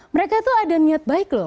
mereka tuh ada niat baik loh